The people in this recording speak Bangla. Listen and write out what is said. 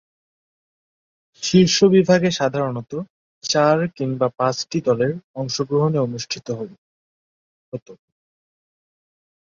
শীর্ষ বিভাগে সাধারণতঃ চার কিংবা পাঁচটি দলের অংশগ্রহণে অনুষ্ঠিত হতো।